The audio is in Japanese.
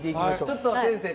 ちょっと先生